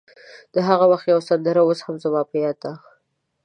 د هغه وخت یوه سندره اوس هم زما په یاد ده.